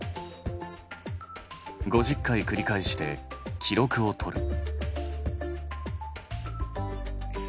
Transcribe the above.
５０回繰り返して記録をとる。